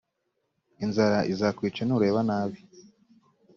inzara izakwica nureba nabi.